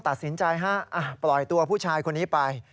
ตัดสินใจฮะปล่อยตัวผู้ชายคนนี้ไป